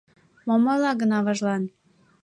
Мом ойла гын аважлан?